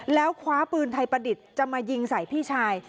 แล้วคว้าปืนไทยประดิษฐ์จะมายิงใส่พี่ชาย